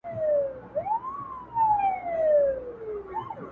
ټول امت لره کافي دي محمده